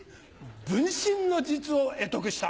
分身の術を会得した。